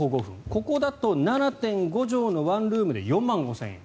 ここだと７．５畳のワンルームで４万５０００円。